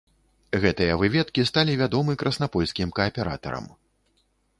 Гэтыя выведкі сталі вядомы краснапольскім кааператарам.